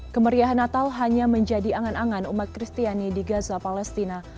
kemeriahan natal hanya menjadi angan angan umat kristiani di gaza palestina